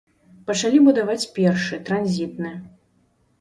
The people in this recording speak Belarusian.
Пачалі будаваць першы, транзітны.